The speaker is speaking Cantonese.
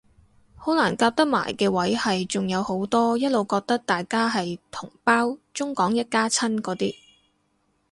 比較難夾得埋嘅位係仲有好多一路覺得大家係同胞中港一家親嗰啲